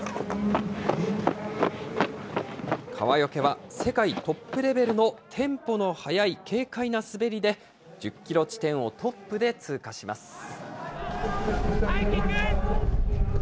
川除は、世界トップレベルのテンポの速い軽快な滑りで、１０キロ地点をトップで通過します。